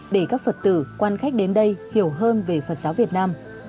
để các phật tử quan khách đến đây hiểu hơn về phật giáo việt nam